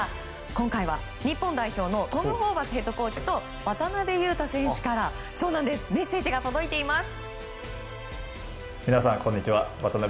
今回は、日本代表のトム・ホーバスヘッドコーチと渡邊雄太選手からメッセージが届いています。